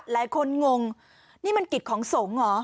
หลายคนงงนี่มันกิจของสงฆ์อ๋อเออ